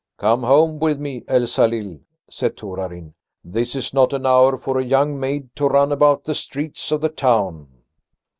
"Come home with me, Elsalill," said Torarin. "This is not an hour for a young maid to run about the streets of the town."